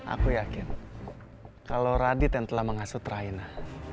aku yakin kalau radit yang telah mengasut raina